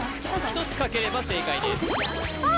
１つ書ければ正解ですあっ！